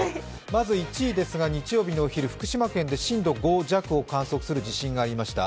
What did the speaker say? まず１位ですが、日曜日のお昼福島県で震度５弱を観測する地震がありました。